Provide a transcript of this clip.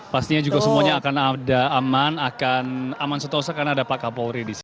pastinya juga semuanya akan ada aman akan aman setausah karena ada pak kapolri disini